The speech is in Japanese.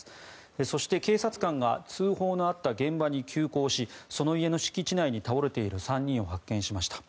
そして警察官が通報のあった現場に急行しその家の敷地内に倒れている３人を発見しました。